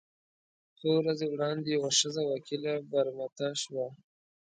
څو ورځې وړاندې یوه ښځه وکیله برمته شوه.